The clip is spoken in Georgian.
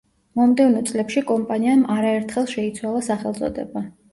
მომდევნო წლებში კომპანიამ არაერთხელ შეიცვალა სახელწოდება.